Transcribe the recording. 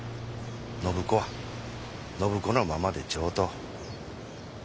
暢子は暢子のままで上等。